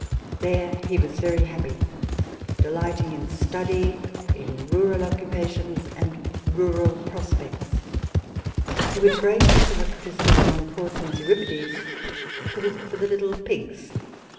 There he was very happy, delighting in study, in rural occupations and rural prospects. He would break from a criticism on Person's " Euripides " to look for the little pigs.